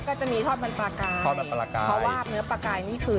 ก็จะมีทอดมันปลากายเพราะว่าเนื้อปลากายนี้คือ